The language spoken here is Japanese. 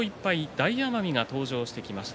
大奄美が登場してきました。